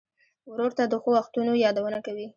ورور ته د ښو وختونو یادونه کوې.